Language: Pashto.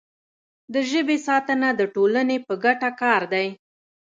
د ژبې ساتنه د ټولنې په ګټه کار دی.